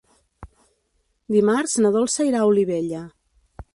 Dimarts na Dolça irà a Olivella.